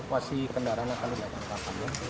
evakuasi kendaraan akan dilakukan